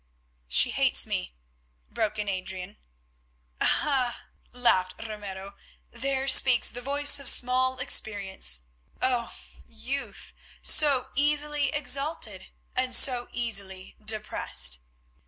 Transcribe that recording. "She hates me," broke in Adrian. "Ah!" laughed Ramiro, "there speaks the voice of small experience. Oh! youth, so easily exalted and so easily depressed!